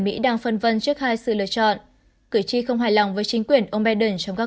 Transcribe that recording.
mỹ đang phân vân trước hai sự lựa chọn cử tri không hài lòng với chính quyền ông biden trong các